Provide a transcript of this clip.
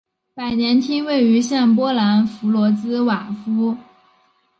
百年厅位于现波兰弗罗茨瓦夫。